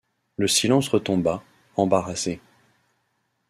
Le silence retomba, embarrassé.